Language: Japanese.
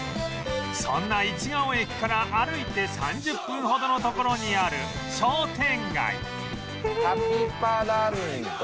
そんな市が尾駅から歩いて３０分ほどの所にある商店街